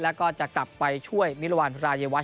แล้วก็จะกลับไปช่วยนี่ครับ